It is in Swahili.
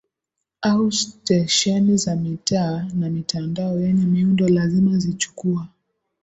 Au Stesheni za mitaa na mitandao yenye miundo lazima zichukua